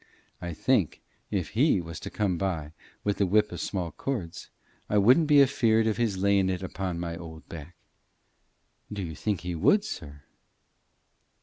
I think, if He was to come by wi' the whip o' small cords, I wouldn't be afeared of his layin' it upo' my old back. Do you think he would, sir?"